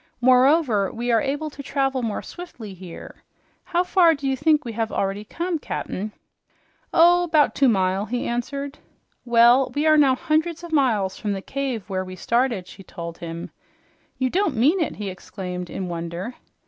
Moreover, we are able to travel more swiftly here. How far do you think we have already come, Cap'n?" "Oh, 'bout two mile," he answered. "Well, we are now hundreds of miles from the cave where we started," she told him. "You don't mean it!" he exclaimed in wonder.